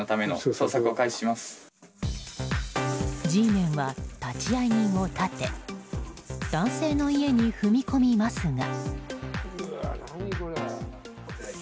Ｇメンは立会人を立て男性の家に踏み込みますが。